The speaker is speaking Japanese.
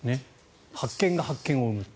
発見が発見を生むと。